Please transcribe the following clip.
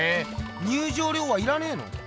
入場料はいらねえの？